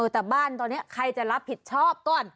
แต่บ้านตอนนี้ใครจะรับผิดชอบก่อน